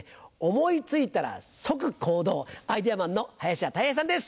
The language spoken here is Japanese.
思い付いたら即行動アイデアマンの林家たい平さんです。